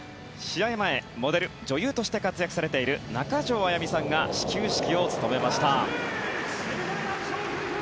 試合前モデル、女優として活躍されている中条あやみさんが始球式を務めました。